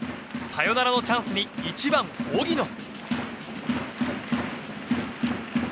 サヨナラのチャンスに１番、荻野。